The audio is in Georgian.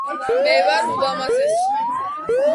მე ვარ ულამაზესი